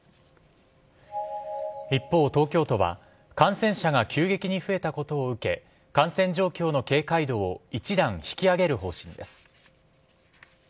一方、東京都は感染者が急激に増えたことを受け感染状況の警戒度を一段引き上げる方針です。